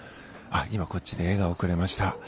今、こっちで笑顔をくれました。